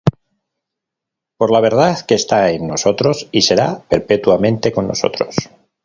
Por la verdad que está en nosotros, y será perpetuamente con nosotros: